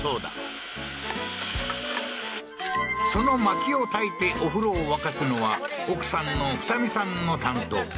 その薪を焚いてお風呂を沸かすのは奥さんの二美さんの担当